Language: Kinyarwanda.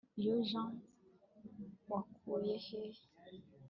iyo jeans wakuye he